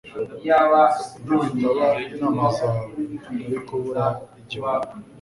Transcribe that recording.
Iyo bitaba inama zawe, nari kubura igihombo.